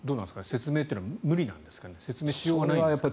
説明というのは無理なんですか説明しようがないんですか。